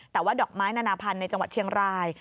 แต่ว่าดอกไม้นานาพันธุ์ในจังหวัดเชียงราย